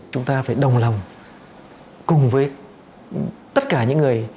chúng ta phải đồng lòng cùng với tất cả những người